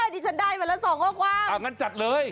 ดิฉันได้เหมือนละ๒ข้อความอ้าวงั้นจัดเลย